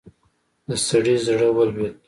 د سړي زړه ولوېد.